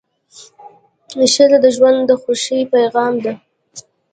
ښځه د ژوند د خوښۍ پېغام ده.